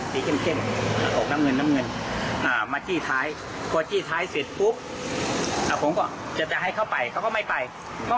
ปรากฏว่าเสียง